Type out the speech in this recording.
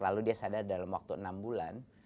lalu dia sadar dalam waktu enam bulan